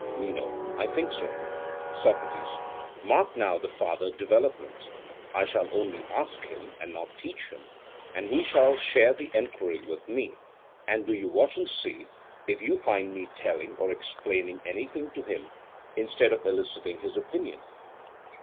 MENO: I think so. SOCRATES: Mark now the farther development. I shall only ask him, and not teach him, and he shall share the enquiry with me: and do you watch and see if you find me telling or explaining anything to him, instead of eliciting his opinion.